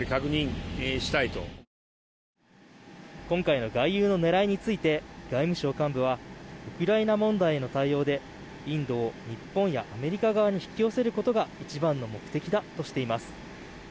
今回の外遊の狙いについて外務省幹部はウクライナ問題への対応でインドを日本やアメリカ側に引き寄せることが一番の目的だとしています。